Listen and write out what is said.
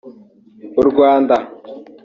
U Rwanda